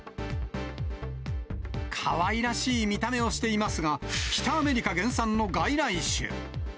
かわいらしい見た目をしていますが、北アメリカ原産の外来種。